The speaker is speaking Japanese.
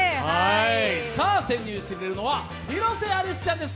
潜入してくれるのは、広瀬アリスちゃんです。